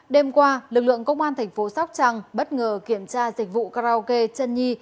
đêm qua lực lượng công an tp sóc trăng bất ngờ kiểm tra dịch vụ karaoke trân nhi